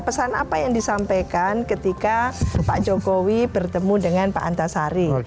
pesan apa yang disampaikan ketika pak jokowi bertemu dengan pak antasari